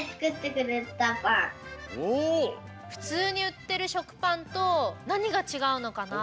ふつうにうってるしょくパンとなにがちがうのかな？